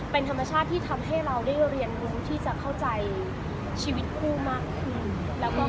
เป็นธรรมชาติที่ทำให้เราได้เรียนรู้ที่จะเข้าใจชีวิตคู่มากขึ้น